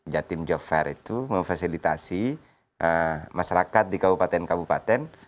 jatim job fair itu memfasilitasi masyarakat di kabupaten kabupaten